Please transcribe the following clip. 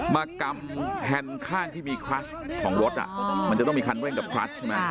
มากำแฮนด์ข้างที่มีคลัสของรถมันจะต้องมีคันเร่งกับคลัสใช่ไหม